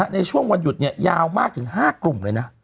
ในช่วงวันหยุดยาวมากถึง๕กลุ่มเลยนะ